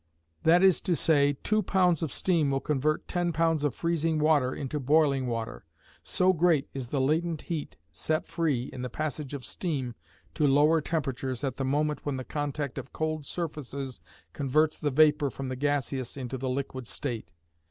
That is to say two pounds of steam will convert ten pounds of freezing water into boiling water, so great is the latent heat set free in the passage of steam to lower temperatures at the moment when the contact of cold surfaces converts the vapor from the gaseous into the liquid state.